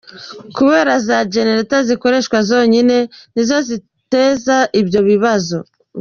Kubera za Generator zikoreshwa zonyine nizo ziteza ibyo bibazo.